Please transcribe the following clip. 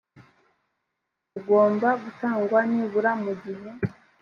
bugomba gutangwa nibura mu gihe